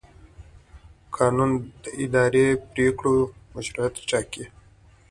قانون د اداري پرېکړو مشروعیت ټاکي.